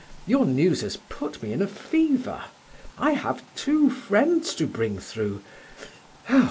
Your news has put me in a fever; I have two friends to bring through. Ah!